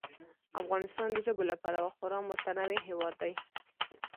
افغانستان د ژبو له پلوه خورا متنوع هېواد دی.